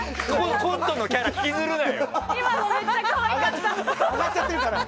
コントのキャラ引きずるなよ！